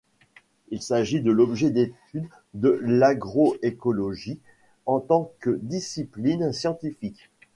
Il s'agit de l'objet d'étude de l'agroécologie en tant que discipline scientifique.